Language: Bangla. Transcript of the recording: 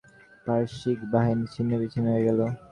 পারসিক বাহিনী ছিন্নভিন্ন হয়ে গেল।